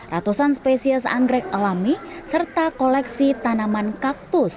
ratusan spesies antarabangsa